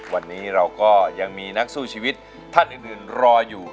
วันนี้เราก็ยังมีนักสู้ชีวิตท่านอื่นรออยู่